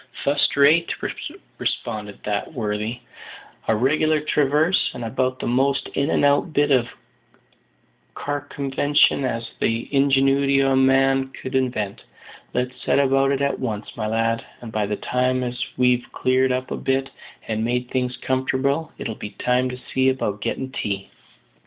"Fust rate," responded that worthy; "a reg'lar traverse, and about the most in and out bit of carcumvention as the ingenuity o' man could invent. Let's set about it at once, my lad; and by the time as we've cleared up a bit, and made things comfortable, it'll be time to see about gettin' tea."